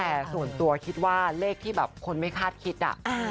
แต่ส่วนตัวคิดว่าเลขที่แบบคนไม่คาดคิดอะ